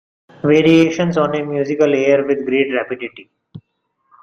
Variations on a musical air With great rapidity.